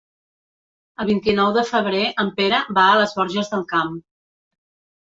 El vint-i-nou de febrer en Pere va a les Borges del Camp.